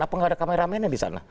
apa nggak ada kameramennya di sana